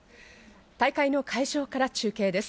大会の会場から中継です。